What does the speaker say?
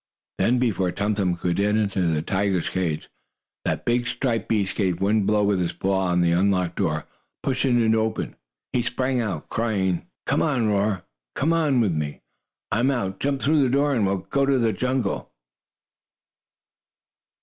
Then, before Tum Tum could get to the tiger's cage, that big, striped beast gave one blow with his paw on the unlocked door, pushing it open. He sprang out, crying: "Come on, Roarer! Come on with me. I'm out! Jump out through the door and we'll go to the jungle!"